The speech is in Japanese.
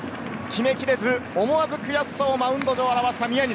決めきれず、思わず悔しそう、マウンド上の宮西。